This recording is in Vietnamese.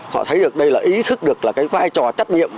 họ thấy được đây là ý thức được là cái vai trò trách nhiệm